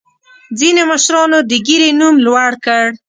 ځینې مشرانو د ګیرې نوم لوړ کړ.